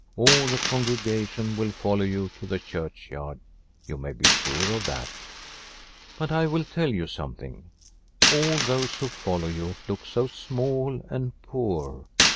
All the congregation will follow you to the churchyard, you may be sure of that. But I will tell you something: All those who follow you look so small and poor.